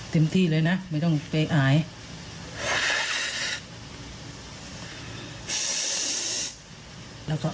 เต็มที่เลยนะไม่ต้องเปรงอาย